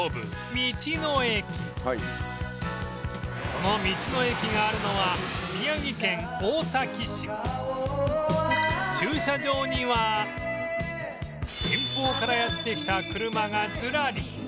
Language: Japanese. その道の駅があるのは駐車場には遠方からやって来た車がずらり